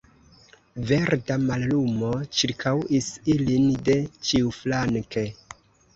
Verda mallumo ĉirkaŭis ilin de ĉiuflanke.